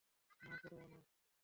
না করবো না।